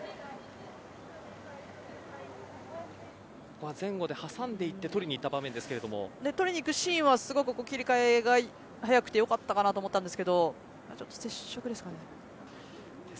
ここは前後で挟んでいって取りに取りにいくシーンはすごく切り替えが早くてよかったかなと思ったんですがちょっと接触ですかね。